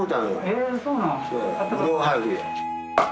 えそうなん？